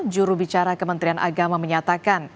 jurubicara kementerian agama menyatakan